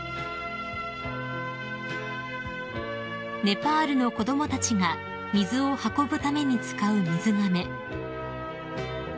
［ネパールの子供たちが水を運ぶために使う水がめ］